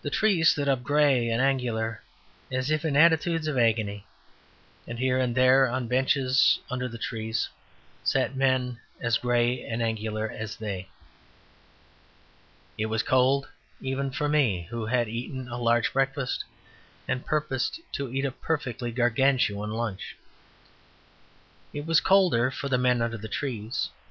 The trees stood up grey and angular, as if in attitudes of agony; and here and there on benches under the trees sat men as grey and angular as they. It was cold even for me, who had eaten a large breakfast and purposed to eat a perfectly Gargantuan lunch; it was colder for the men under the trees.